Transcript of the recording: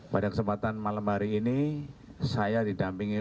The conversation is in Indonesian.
pada kesempatan malam hari ini saya didampingi